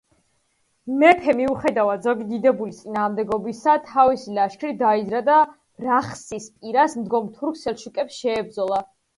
მეფე, მიუხედავად ზოგი დიდებულის წინააღმდეგობისა, თავისი ლაშქრით დაიძრა და რახსის პირას მდგომ თურქ-სელჩუკებს შეებრძოლა.